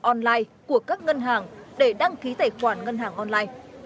để nhận tiền đưa vào tài khoản online của các ngân hàng để đăng ký tài khoản ngân hàng online